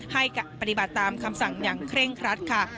ให้ปฏิบัติตามคำสั่งอย่างเคร่งครัดค่ะ